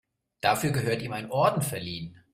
Dafür gehört ihm ein Orden verliehen.